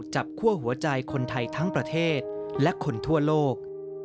คั่วหัวใจคนไทยทั้งประเทศและคนทั่วโลก